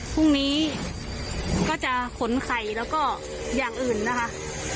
พรุ่งนี้ก็จะขนไข่แล้วก็อย่างอื่นนะคะ